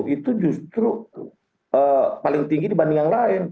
itu justru paling tinggi dibanding yang lain